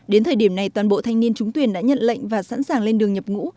đến thời điểm này toàn bộ thanh niên trúng tuyển đã nhận lệnh và sẵn sàng lên đường nhập ngũ